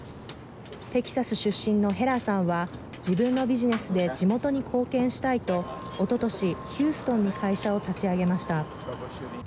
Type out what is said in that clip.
テキサス出身のヘラーさんは自分のビジネスで地元に貢献したいとおととし、ヒューストンに会社を立ち上げました。